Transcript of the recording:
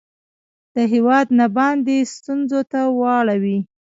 د هیواد نه باندې ستونځو ته واړوي